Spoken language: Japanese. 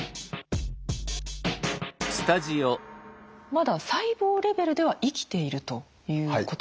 まだ細胞レベルでは生きているということなんですか？